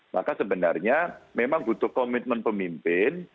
maka sebenarnya memang butuh komitmen pemimpin